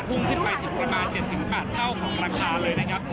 พุ่งขึ้นไปถึงประมาณ๗๘เท่าของราคาเลยนะครับ